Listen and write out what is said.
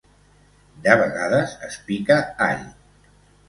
De vegades es pica all.